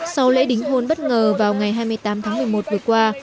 sau lễ đính ôn bất ngờ vào ngày hai mươi tám tháng một mươi một vừa qua